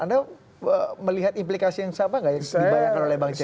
anda melihat implikasi yang sama nggak yang dibayangkan oleh bang celi